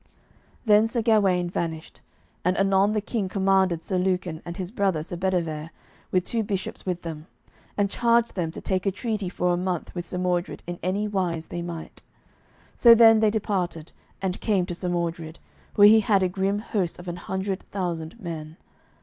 Then Sir Gawaine vanished, and anon the King commanded Sir Lucan and his brother, Sir Bedivere, with two bishops with them, and charged them to take a treaty for a month with Sir Mordred in any wise they might. So then they departed, and came to Sir Mordred, where he had a grim host of an hundred thousand men.